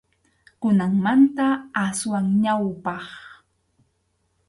Kunanmanta aswan ñawpaq.